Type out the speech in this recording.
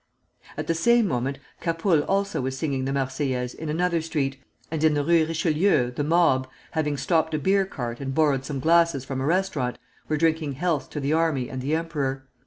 At the same moment Capoul also was singing the "Marseillaise" in another street, and in the Rue Richelieu the mob, having stopped a beer cart and borrowed some glasses from a restaurant, were drinking healths to the army and the emperor.